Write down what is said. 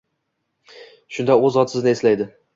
Shunda U Zot sizni eslaydi.